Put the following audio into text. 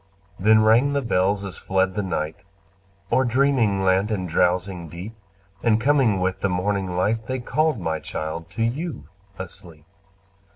Then rang the bells as fled the night O'er dreaming land and drowsing deep, And coming with the morning light, They called, my child, to you asleep.